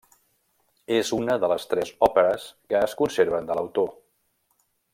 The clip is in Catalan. És una de les tres òperes que es conserven de l'autor.